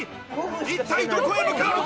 一体どこへ向かうのか。